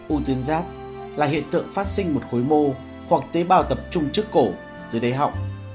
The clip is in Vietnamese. u tuyến giáp là hiện tượng phát sinh một khối mô hoặc tế bào tập trung trước cổ dưới đáy học